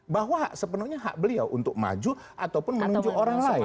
bahwa sepenuhnya hak beliau untuk maju ataupun menunjuk orang lain